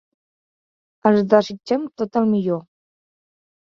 Els desitgem tot el millor.